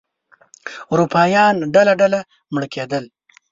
اروپایان ډله ډله مړه کېدل.